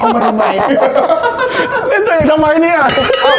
เอามาทำไมเนี่ยเล่นเจ๋งทำไมเนี่ย